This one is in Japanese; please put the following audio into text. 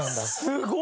すごい！